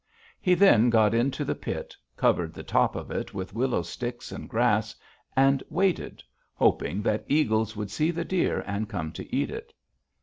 He then got into the pit, covered the top of it with willow sticks and grass, and waited, hoping that eagles would see the deer and come to eat it.